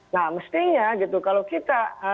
nah mestinya gitu kalau kita